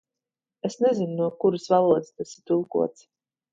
Es nezinu, no kuras valodas tas ir tulkots.